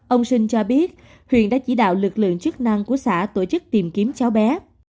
ông sinh cho biết huyện đã chỉ đạo lực lượng chức năng của xã tổ chức tìm kiếm cháu bé